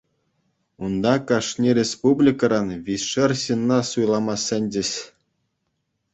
Унта кашни республикӑран виҫшер ҫынна суйлама сӗнчӗҫ.